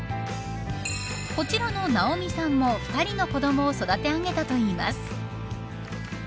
こちらの直美さんも２人の子どもを育て上げたといいます。